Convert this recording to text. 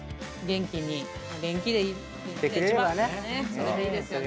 それでいいですよね。